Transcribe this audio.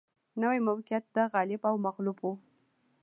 نوي موقعیت د غالب او مغلوب و